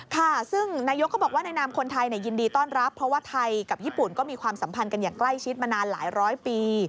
ค่ะซึ่งนายกก็บอกว่าในนามคนไทยยินดีต้อนรับเพราะว่าไทยกับญี่ปุ่นก็มีความสัมพันธ์กันอย่างใกล้ชิดมานานหลายร้อยปี